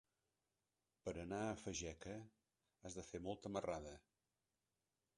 Per anar a Fageca has de fer molta marrada.